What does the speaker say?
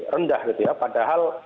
rendah gitu ya padahal